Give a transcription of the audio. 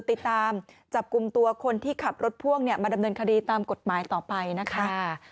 ติดตามจับกลุ่มตัวคนที่ขับรถพ่วงมาดำเนินคดีตามกฎหมายต่อไปนะคะ